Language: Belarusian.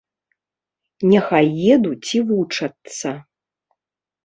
Няхай едуць і вучацца.